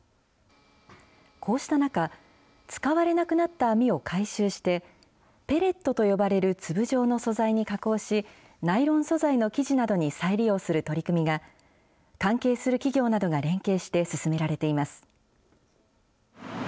こうした中、使われなくなった網を回収して、ペレットと呼ばれる粒状の素材に加工し、ナイロン素材の生地などに再利用する取り組みが、関係する企業などが連携して進められています。